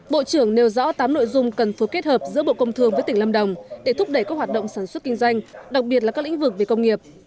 bộ trưởng nêu rõ tám nội dung cần phối kết hợp giữa bộ công thương với tỉnh lâm đồng để thúc đẩy các hoạt động sản xuất kinh doanh đặc biệt là các lĩnh vực về công nghiệp